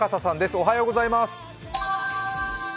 おはようございます。